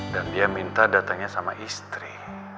dan dia minta datangnya sama istri